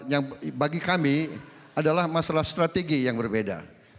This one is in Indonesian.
yang bagi kami adalah masalah strategi yang berbeda